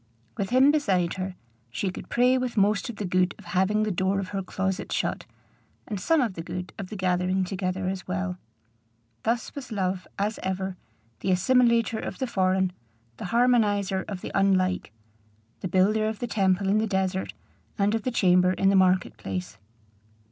With him beside her, she could pray with most of the good of having the door of her closet shut, and some of the good of the gathering together as well. Thus was love, as ever, the assimilator of the foreign, the harmonizer of the unlike; the builder of the temple in the desert, and of the chamber in the market place.